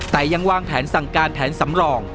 แต่ยังวางแผนสั่งการแผนสำรอง